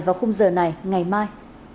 vào khung giờ này ngày mai